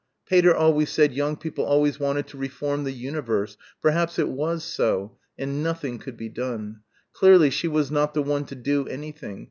Pater always said young people always wanted to reform the universe ... perhaps it was so ... and nothing could be done. Clearly she was not the one to do anything.